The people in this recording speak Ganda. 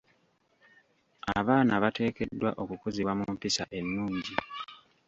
Abaana bateekeddwa okukuzibwa mu mpisa ennungi.